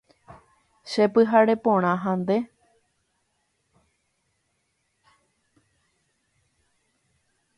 Chepyhare porã ha nde.